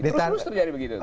terus terus terjadi begitu